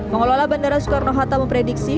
pengelola bandara soekarno hatta memprediksi